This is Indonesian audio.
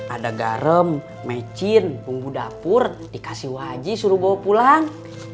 ada garam mecin bumbu dapur dikasih waji suruh bawa pulang